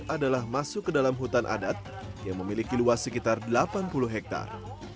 adalah masuk ke dalam hutan adat yang memiliki luas sekitar delapan puluh hektare